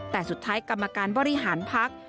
แต่สุดท้ายกรรมการบริหารพัก